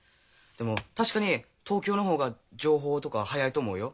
でも確かに東京の方が情報とかは早いと思うよ。